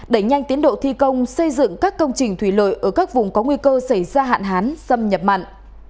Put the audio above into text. đẩy nhanh tiến độ thi công xây dựng các công trình thủy lợi ở các vùng có nguy cơ xảy ra hạn hán xâm nhập mặn